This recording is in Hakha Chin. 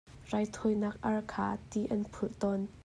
Raithawinak ar kha ti an phulh tawn.